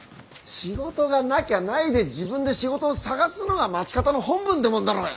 仕事がなきゃないで自分で仕事を探すのが町方の本分ってもんだろうが！